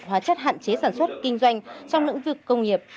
hóa chất hạn chế sản xuất kinh doanh trong lĩnh vực công nghiệp